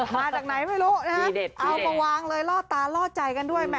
มาจากไหนไม่รู้นะฮะเอามาวางเลยล่อตาล่อใจกันด้วย